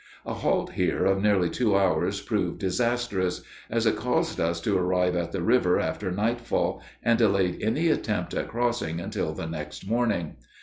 A halt here of nearly two hours proved disastrous, as it caused us to arrive at the river after nightfall, and delayed any attempt at crossing until the next morning.